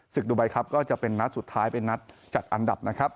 ดูไบครับก็จะเป็นนัดสุดท้ายเป็นนัดจัดอันดับนะครับ